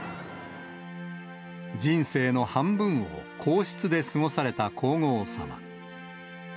人生の半分を皇室で過ごされた皇后さま。